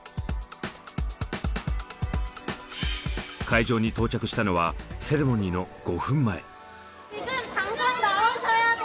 会場に到着したのはセレモニーの５分前。